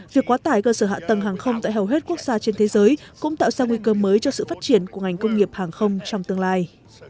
việc quá tải cơ sở hạ tầng hàng không tại hầu hết quốc gia trên thế giới cũng tạo ra nguy cơ mới cho sự phát triển của ngành công nghiệp hàng không trong tương lai